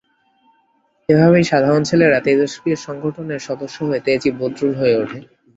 এভাবেই সাধারণ ছেলেরা তেজস্ক্রিয় সংগঠনের সদস্য হয়ে তেজি বদরুল হয়ে ওঠে।